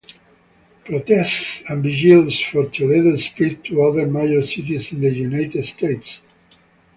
Protests and vigils for Toledo spread to other major cities in the United States.